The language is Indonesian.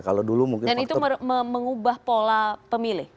dan itu mengubah pola pemilih